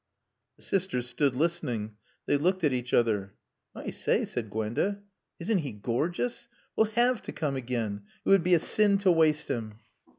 The sisters stood listening. They looked at each other. "I say!" said Gwenda. "Isn't he gorgeous? We'll have to come again. It would be a sin to waste him."